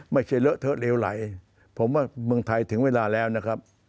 ไม่ใช่เลอะเทอะเลวไหลผมว่าเมืองไทยถึงเวลาแล้วนะครับ